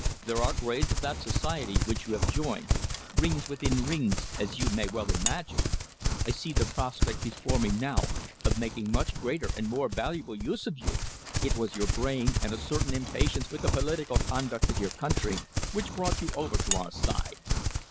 There are grades of that society which you have joined, rings within rings, as you may well imagine. I see the prospect before me now of making much greater and more valuable use of you. It was your brain, and a certain impatience with the political conduct of your country, which brought you over to our side.